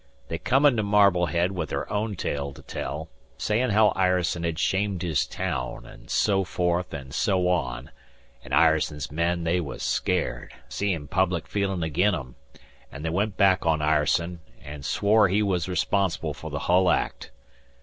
They come into Marblehead with their own tale to tell, sayin' how Ireson had shamed his town, an' so forth an' so on, an' Ireson's men they was scared, seein' public feelin' agin' 'em, an' they went back on Ireson, an' swore he was respons'ble for the hull act.